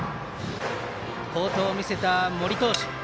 好投を見せた森投手。